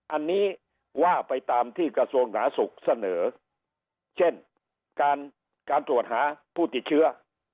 อันนี้ว่าไปตามที่กระทรวงสาธารณสุขเสนอเช่นการการตรวจหาผู้ติดเชื้อ